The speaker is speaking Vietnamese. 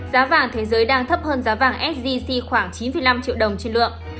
giá vàng thế giới đang thấp hơn giá vàng sgc khoảng chín năm triệu đồng trên lượng